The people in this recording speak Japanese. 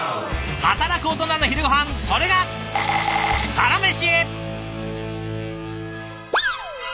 働くオトナの昼ごはんそれが「サラメシ」。